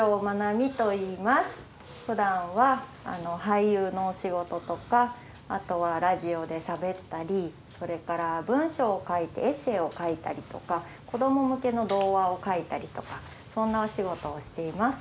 ふだんは俳優のお仕事とかあとはラジオでしゃべったりそれから文章を書いてエッセイを書いたりとか子ども向けの童話を書いたりとかそんなお仕事をしています。